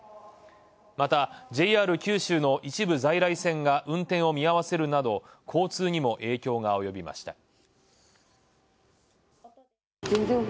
また、ＪＲ九州の一部在来線が運転を見合わせるなど交通にも影響が及びました。